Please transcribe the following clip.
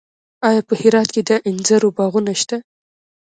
آیا په هرات کې د انځرو باغونه شته؟